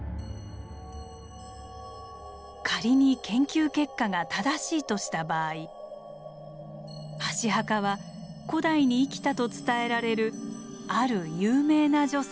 仮に研究結果が正しいとした場合箸墓は古代に生きたと伝えられるある有名な女性とつながります。